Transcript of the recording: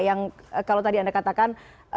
yang kalau tadi anda katakan